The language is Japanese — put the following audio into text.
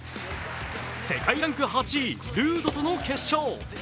世界ランク８位・ルードとの決勝。